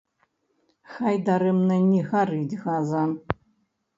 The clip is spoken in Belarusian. Хай дарэмна не гарыць газа.